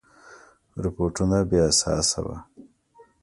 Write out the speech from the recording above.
رپوټونه بې اساسه وه.